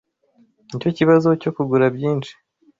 Nicyo kibazo cyo kugura byinshi.